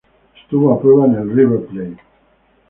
Estuvo a prueba en River Plate.